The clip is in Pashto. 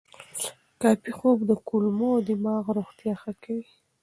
کافي خوب د کولمو او دماغ روغتیا ښه کوي.